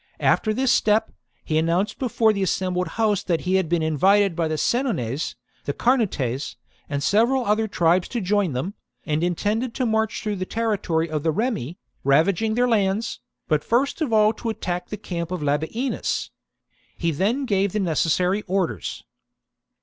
After this step, he announced before the assembled host i68 THE DOOM OF INDUTIOMARUS book 54 B.C. that he had been invited by the Senones, the Carnutes, and several other tribes to join them, and intended to march through the territory of the Remi, ravaging their fends, but first of all to attack the camp of Labienus. He then gave the necessary orders.